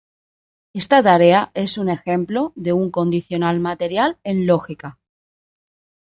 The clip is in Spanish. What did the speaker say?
Esta tarea es un ejemplo de un condicional material en lógica.